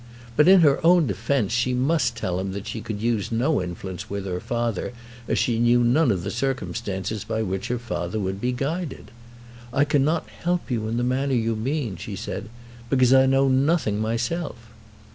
But in her own defence she must tell him that she could use no influence with her father as she knew none of the circumstances by which her father would be guided. "I cannot help you in the manner you mean," she said, "because I know nothing myself."